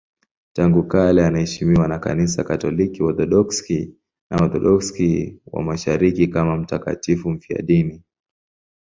Tangu kale anaheshimiwa na Kanisa Katoliki, Waorthodoksi na Waorthodoksi wa Mashariki kama mtakatifu mfiadini.